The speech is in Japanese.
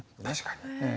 確かに。